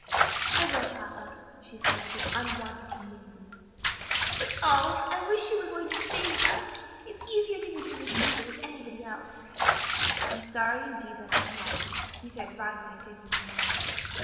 "I will, papa," she said, with unwonted humility; "but, oh, I wish you were going to stay with us! It's easier to be good with you than with anybody else." "I am sorry, indeed, that I cannot," he said, rising and taking her hand.